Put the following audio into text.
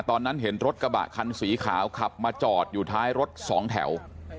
ตอนนั้นเห็นรถกระบะคันสีขาวขับมาจอดอยู่ท้ายรถสองแถว